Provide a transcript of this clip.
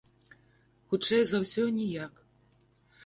Хутчэй за ўсё, ніяк.